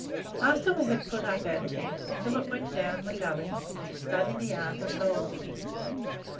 After we had put up our tent, Philip went down the gully to study the art of gold digging.